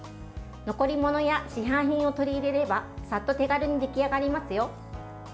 残り物や市販品を取り入れればさっと手軽に出来上がりますよ。